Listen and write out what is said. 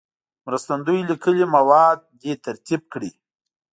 مرستندوی لیکلي مواد دې ترتیب کړي.